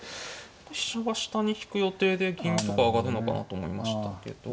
飛車は下に引く予定で銀とか上がるのかなと思いましたけど。